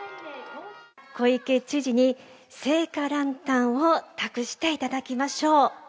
小池知事に聖火ランタンを託していただきましょう。